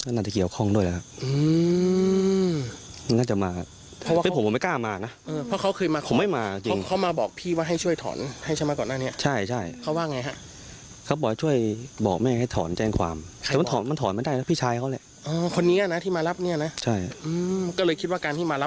น่าจะเกี่ยวข้องกับคดีที่เขาโดนจับเรื่องมั้ยพี่